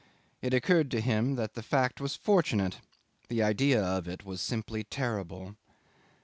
It occurred to him that the fact was fortunate. The idea of it was simply terrible.